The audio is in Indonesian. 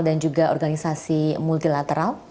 dan juga organisasi multilateral